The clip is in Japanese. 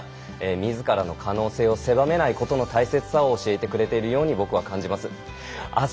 みずからの可能性を狭めないことの大切さを教えてくれているように僕は感じます。